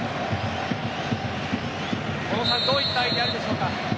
小野さんどういったアイデアあるでしょうか。